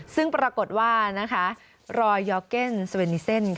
ซึ่งปรากฏว่ารอยยอร์เก็นเซเวนิเซน